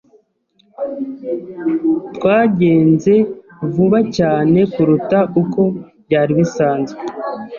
Twagenze vuba cyane kuruta uko byari bisanzwe.